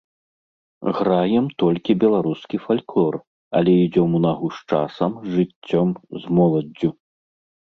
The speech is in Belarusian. Граем толькі беларускі фальклор, але ідзём у нагу з часам, з жыццём, з моладдзю.